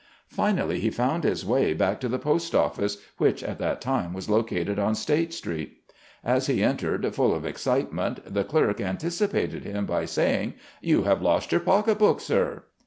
Finally he found his way back to the Post Office, which at that time was located on State Street. As he entered, full of excitement, the clerk anticipated him by saying, "You have lost your pocket book, sir?"